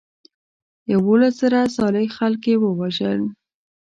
یولس زره صالح خلک یې وژل.